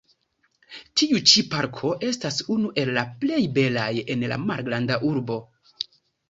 Tiu ĉi parko estas unu el la plej belaj en la Malgranda urbo.